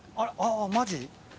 あぁマジ？